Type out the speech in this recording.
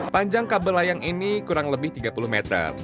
panjang kabel layang ini kurang lebih tiga puluh meter